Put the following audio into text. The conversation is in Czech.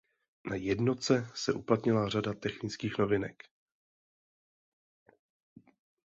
Na jednotce se uplatnila řada technických novinek.